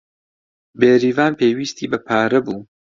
بێریڤان پێویستی بە پارە بوو.